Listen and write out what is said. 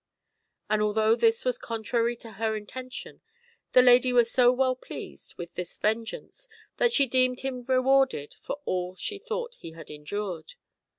And although this was contrary to her intention, the lady was so well pleased with this vengeance that she deemed him rewarded for all she thought he had endured.